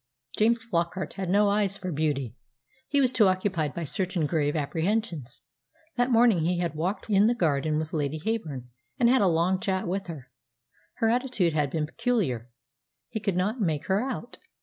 James Flockart had no eyes for beauty. He was too occupied by certain grave apprehensions. That morning he had walked in the garden with Lady Heyburn, and had a long chat with her. Her attitude had been peculiar. He could not make her out.